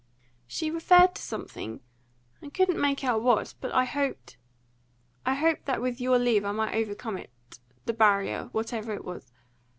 "She referred to something I couldn't make out what but I hoped I hoped that with your leave I might overcome it the barrier whatever it was.